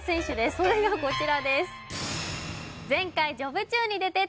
それがこちらです